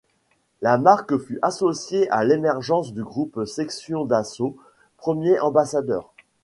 La marque fut associée à l’émergence du groupe Sexion d’Assaut, premier ambassadeur.